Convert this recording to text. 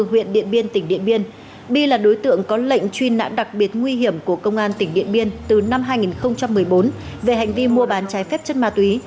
vi là đối tượng có lệnh truy nạn đặc biệt nguy hiểm của công an tỉnh điện biên từ năm hai nghìn một mươi bốn về hành vi mua bán trái phép chân ma túy